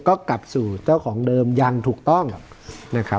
ก็กลับสู่เจ้าของเดิมอย่างถูกต้องนะครับ